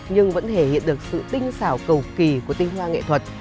nhưng vẫn thể hiện được sự tinh xảo cầu kỳ của tinh hoa nghệ thuật